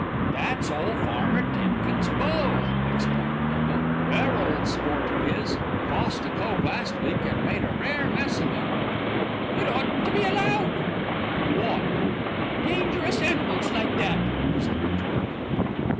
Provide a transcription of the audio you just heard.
"That's ole Farmer Timkins' bull," explained Bindle. "Rare ole sport, 'e is. Tossed a cove last week, an' made a rare mess of 'im." "It oughtn't to be allowed." "Wot?" "Dangerous animals like that," was the retort.